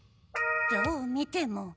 どう見ても。